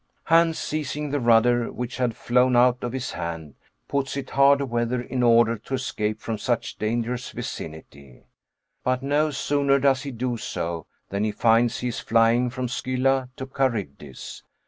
Hans, seizing the rudder which had flown out of his hand, puts it hard aweather in order to escape from such dangerous vicinity; but no sooner does he do so, than he finds he is flying from Scylla to Charybdis.